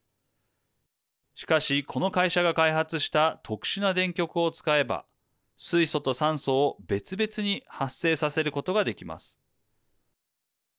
しかし、この会社が開発した特殊な電極を使えば水素と酸素を別々に発生させることができます。